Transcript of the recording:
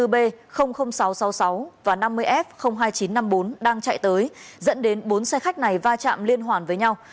hai mươi b sáu trăm sáu mươi sáu và năm mươi f hai nghìn chín trăm năm mươi bốn đang chạy tới dẫn đến bốn xe khách này va chạm liên hoàn với nhau